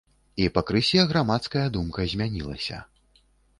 І пакрысе грамадская думка змянілася.